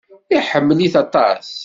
Iḥemmel-it aṭas.